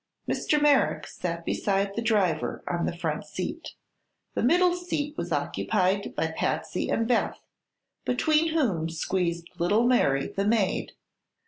Mr. Merrick sat beside the driver on the front seat. The middle seat was occupied by Patsy and Beth, between whom squeezed little Mary, the maid.